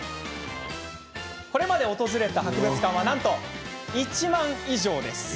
これまで訪れた博物館はなんと１万以上。